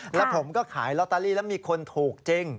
แล้วผมก็ขายลอตเตอรี่แล้วมีคนถูกจริง